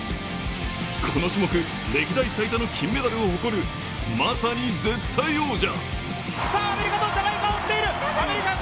この種目、歴代最多の金メダルを誇る、まさに絶対王者。